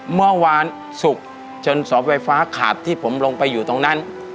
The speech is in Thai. เมื่อวานศุกร์จนเสาไฟฟ้าขาดที่ผมลงไปอยู่ตรงนั้น